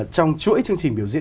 trong chuỗi chương trình biểu tượng